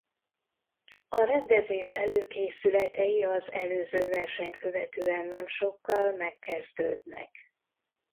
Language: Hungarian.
A rendezés előkészületei az előző versenyt követően nem sokkal megkezdődnek.